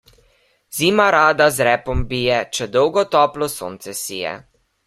Zima rada z repom bije, če dolgo toplo sonce sije.